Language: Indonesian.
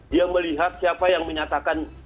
dia melihat siapa yang menyatakan